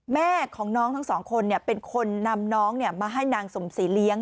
แม่ของน้องทั้งสองคนเป็นคนนำน้องมาให้นางสมศรีเลี้ยง